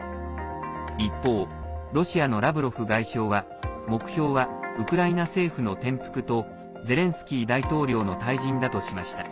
一方、ロシアのラブロフ外相は目標はウクライナ政府の転覆とゼレンスキー大統領の退陣だとしました。